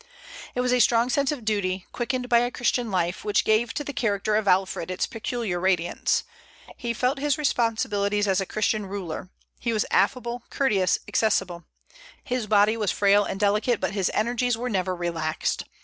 It was a strong sense of duty, quickened by a Christian life, which gave to the character of Alfred its peculiar radiance. He felt his responsibilities as a Christian ruler. He was affable, courteous, accessible. His body was frail and delicate, but his energies were never relaxed.